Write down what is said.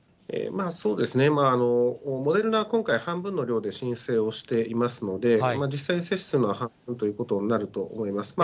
モデルナ、今回、半分の量で申請をしていますので、実際接種するのは半分ということになると思います。